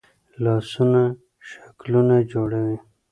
لاسونه شکلونه جوړوي